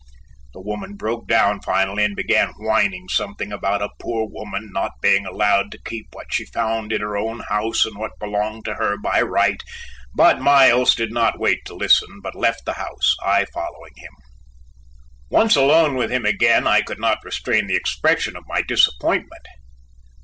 The woman broke down finally and began whining something about a poor woman not being allowed to keep what she found in her own house and what belonged to her by right, but Miles did not wait to listen but left the house, I following him. Once alone with him again I could not restrain the expression of my disappointment.